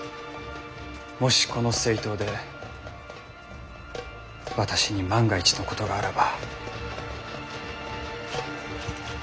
もしこの征討で私に万が一のことがあらば。